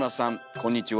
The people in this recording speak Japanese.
こんにちは。